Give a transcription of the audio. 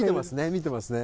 見てますね。